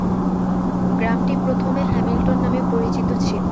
গ্রামটি প্রথমে হ্যামিলটন নামে পরিচিত ছিল।